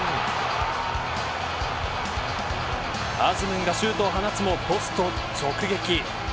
アズムンがシュートを放つもポスト直撃。